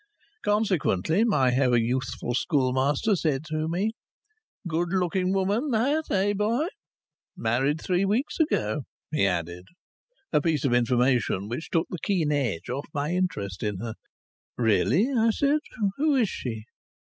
Consequently my ever youthful schoolmaster said to me: "Good looking woman that, eh, boy? Married three weeks ago," he added. A piece of information which took the keen edge off my interest in her. "Really!" I said. "Who is she?"